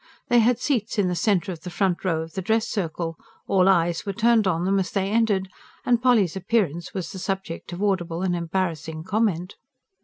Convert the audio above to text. They had seats in the centre of the front row of the dress circle; all eyes were turned on them as they entered; and Polly's appearance was the subject of audible and embarrassing comment.